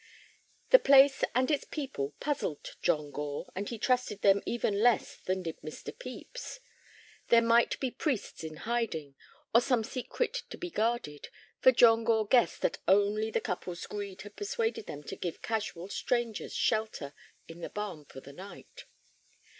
The place and its people puzzled John Gore, and he trusted them even less than did Mr. Pepys. There might be priests in hiding, or some secret to be guarded, for John Gore guessed that only the couple's greed had persuaded them to give casual strangers shelter in the barn for the night.